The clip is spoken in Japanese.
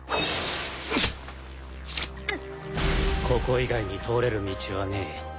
ここ以外に通れる道はねえ。